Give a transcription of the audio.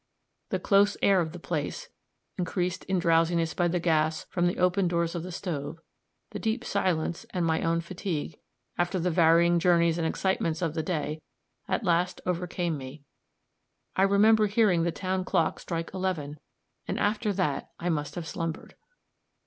The close air of the place, increased in drowsiness by the gas from the open doors of the stove, the deep silence, and my own fatigue, after the varying journeys and excitements of the day, at last overcame me; I remember hearing the town clock strike eleven, and after that I must have slumbered.